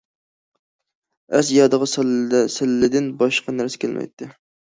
ئەس- يادىغا سەللىدىن باشقا نەرسە كەلمەيتتى.